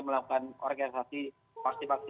melakukan orgestasi paksi paksi